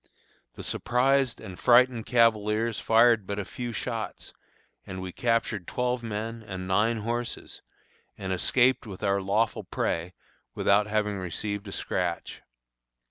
The surprised and frightened cavaliers fired but a few shots, and we captured twelve men and nine horses, and escaped with our lawful prey without having received a scratch.